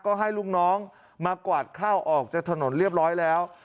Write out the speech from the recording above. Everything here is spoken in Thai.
ก็ให้ลูกน้องมากวาดข้าวออกจากถนนเรียบร้อยแล้ว